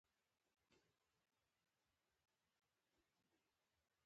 دا د سویلي هوایی ډګرونو په پرتله هیڅ اسانتیاوې نلري